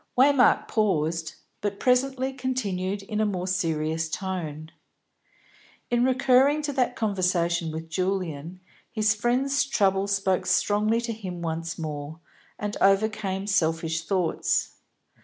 Waymark paused, but presently continued in a more serious tone. In recurring to that conversation with Julian, his friend's trouble spoke strongly to him once more, and overcame selfish thoughts.